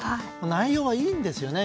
内容はいいんですよね。